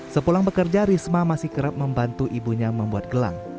sepulang bekerja risma masih kerap membantu ibunya membuat gelang